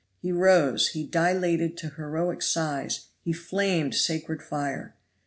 He rose, he dilated to heroic size, he flamed with sacred fire.